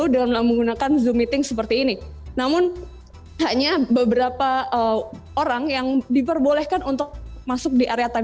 dan saya berpikir ini adalah satu dari beberapa hal yang harus kita lakukan